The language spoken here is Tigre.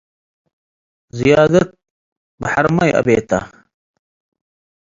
ዝያደት በሐርመ ይአቤተ።